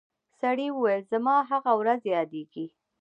سړي وویل زما هغه ورځ یادیږي